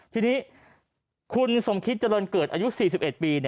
ทีนี้คุณสมคิตเจริญเกิดอายุ๔๑ปี